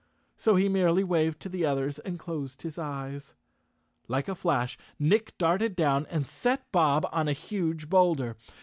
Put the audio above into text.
So he merely waved to the others and closed his eyes. Like a flash Nick darted down and set Bob on a huge bowlder.